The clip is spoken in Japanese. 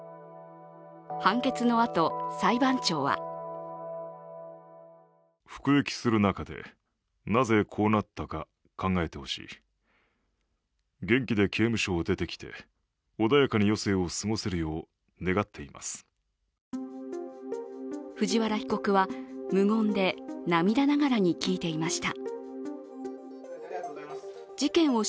判決のあと、裁判長は藤原被告は、無言で涙ながらに聞いていました。